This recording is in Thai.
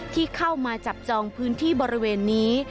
ที่เข้ามาจับจองพื้นที่บริเวณนี้